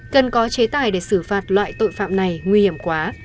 cần có chế tài để xử phạt loại tội phạm này nguy hiểm quá